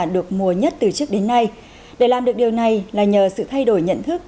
được mùa nhất từ trước đến nay để làm được điều này là nhờ sự thay đổi nhận thức